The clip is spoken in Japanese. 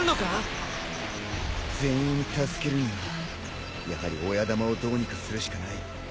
全員助けるにはやはり親玉をどうにかするしかない。